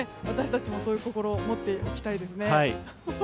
私たちもそういう心を持っておきたいですね。